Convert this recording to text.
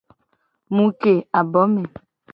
Mu ke abo me.